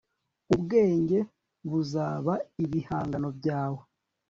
ubwenge buzaba ibihangano byawe